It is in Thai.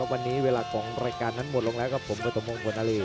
วันนี้เวลาของรายการนั้นหมดลงแล้วครับผมกระตุมงคลนาลี